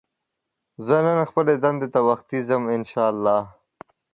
زه نن خپلې دندې ته وختي ځم ان شاءالله